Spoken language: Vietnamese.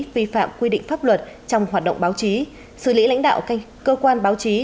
vi phạm quy định pháp luật trong hoạt động báo chí xử lý lãnh đạo cơ quan báo chí